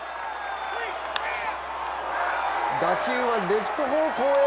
打球はレフト方向へ。